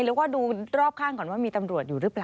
แล้วก็ดูรอบข้างก่อนว่ามีตำรวจอยู่หรือเปล่า